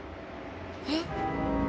えっ。